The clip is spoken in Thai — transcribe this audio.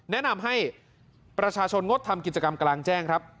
แนะนำให้ประชาชนงดทำกิจกรรมกลางแจ้งครับ